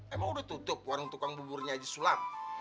emang udah tutup warung tukang buburnya haji sulam